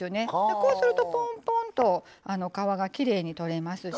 こうすると、ぽんぽんと皮がきれいに取れますし。